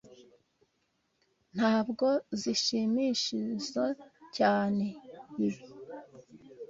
Ntabwo nishimizoe cyane ibi.